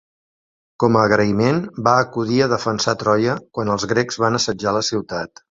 Com a agraïment va acudir a defensar Troia quan els grecs van assetjar la ciutat.